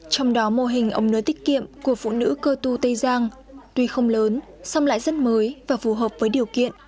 trong đó mô hình ổng nứa tích kiệm của phụ nữ cơ tu tây giang tuy không lớn song lại rất mới và phù hợp với điều kiện